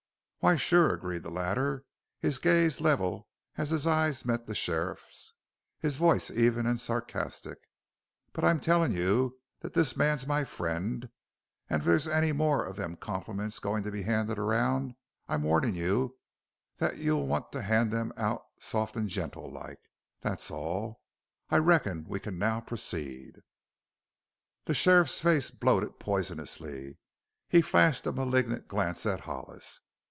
"Why, sure!" agreed the latter, his gaze level as his eyes met the sheriff's, his voice even and sarcastic. "But I'm tellin' you that this man's my friend an' if there's any more of them compliments goin' to be handed around I'm warnin' you that you want to hand them out soft an' gentle like. That's all. I reckon we c'n now proceed." The sheriff's face bloated poisonously. He flashed a malignant glance at Hollis.